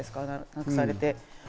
無くされて。